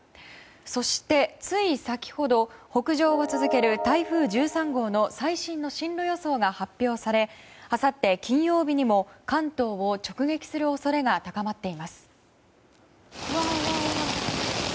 そして、つい先ほど北上を続ける台風１３号の最新の進路予想が発表されあさって、金曜日にも関東を直撃する恐れが高まっています。